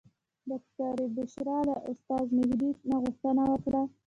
ډاکټرې بشرا له استاد مهدي نه غوښتنه وکړه.